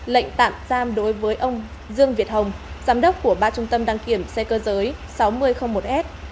lệnh tạm giam đối với ông dương việt hồng giám đốc của ba trung tâm đăng kiểm xe cơ giới sáu nghìn một s